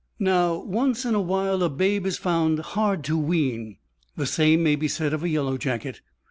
Now once in a while a babe is found hard to wean; the same may be said of a yellow jacket.